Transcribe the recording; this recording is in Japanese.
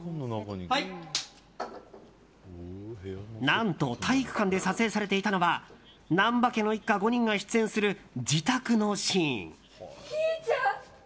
何と、体育館で撮影されていたのは難破家の一家５人が出演する自宅のシーン。